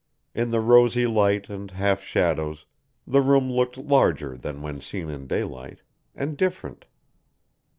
In the rosy light and half shadows the room looked larger than when seen in daylight, and different.